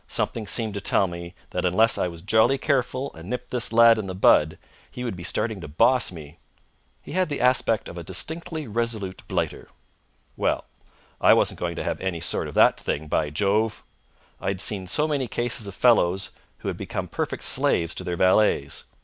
Something seemed to tell me that, unless I was jolly careful and nipped this lad in the bud, he would be starting to boss me. He had the aspect of a distinctly resolute blighter. Well, I wasn't going to have any of that sort of thing, by Jove! I'd seen so many cases of fellows who had become perfect slaves to their valets.